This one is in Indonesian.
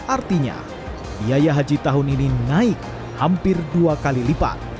artinya biaya haji tahun ini naik hampir dua kali lipat